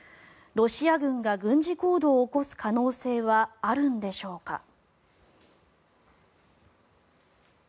ロシア軍が軍事行動を起こす可能性はあるんでしょうか。